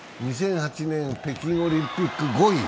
２００８年北京オリンピック、５位。